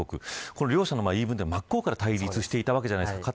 この両者の言い分は、真っ向から対立していたわけじゃないですか。